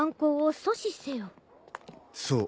そう。